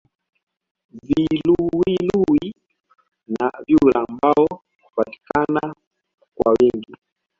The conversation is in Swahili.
Viluwiluwi na vyura ambao hupatikana kwa wingi